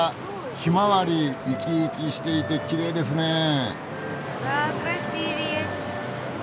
ひまわり生き生きしていてきれいですねえ。